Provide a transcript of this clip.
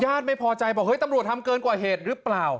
ไม่พอใจบอกเฮ้ยตำรวจทำเกินกว่าเหตุหรือเปล่า